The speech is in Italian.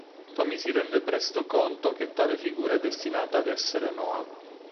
Tommy si rende presto conto che tale figura è destinata ad essere Noah.